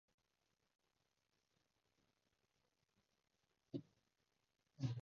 定係佢其實唔捨得，想保留返同個女仔嘅對話